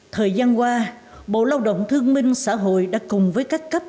thời gian qua bộ lao động thương minh xã hội đã cùng với các cấp